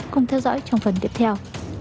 cùng theo dõi trong phần tiếp theo